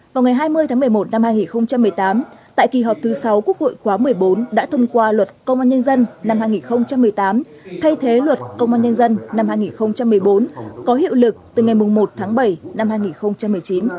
vào ngày hai mươi tháng một mươi một năm hai nghìn một mươi tám tại kỳ họp thứ sáu quốc hội khóa một mươi bốn đã thông qua luật công an nhân dân năm hai nghìn một mươi tám thay thế luật công an nhân dân năm hai nghìn một mươi bốn có hiệu lực từ ngày một tháng bảy năm hai nghìn một mươi chín